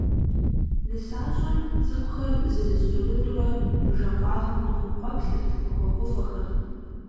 Нысащӏэм, цӏыкӏухэр, зырыз-тӏурытӏурэ, бжэ къуагъым къыхукъуэплъырт, къыхуэгуфӏэхэрт.